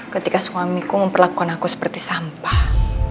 ketika suamiku memperlakukan aku seperti sampah